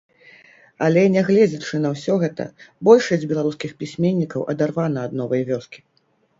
Але, нягледзячы на ўсё гэта, большасць беларускіх пісьменнікаў адарвана ад новай вёскі.